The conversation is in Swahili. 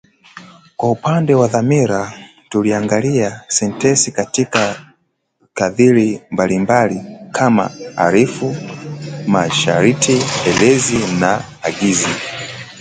Kwa upande wa dhamira tuliangalia sentensi katika dhamira mbalimbali kama arifu, masharti, elezi na agizi